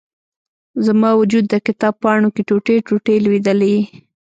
زما و جود، د کتاب پاڼو کې، ټوټي، ټوټي لویدلي